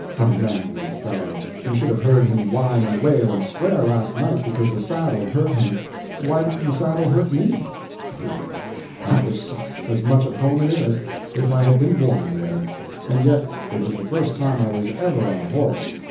A manly fellow! You should have heard him whine and wail and swear, last night, because the saddle hurt him. Why didn't the saddle hurt me? Pooh—I was as much at home in it as if I had been born there. And yet it was the first time I was ever on a horse.